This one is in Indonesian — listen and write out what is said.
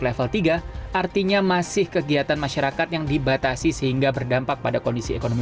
level tiga artinya masih kegiatan masyarakat yang dibatasi sehingga berdampak pada kondisi ekonomi